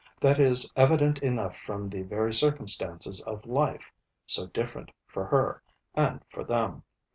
That is evident enough from the very circumstances of life, so different for her, and for them.